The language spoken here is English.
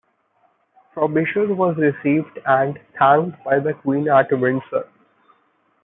Frobisher was received and thanked by the queen at Windsor.